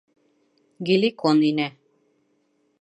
Геликон инә.